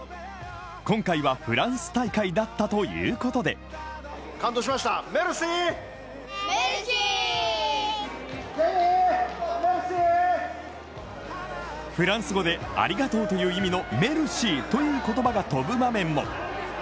今回はフランス大会だったということでフランス語でありがとうという意味のメルシーという言葉が飛ぶ場面も。